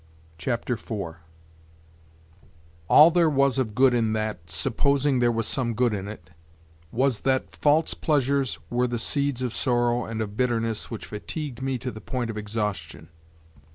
CHAPTER IV "ALL there was of good in that, supposing there was some good in it, was that false pleasures were the seeds of sorrow and of bitterness which fatigued me to the point of exhaustion."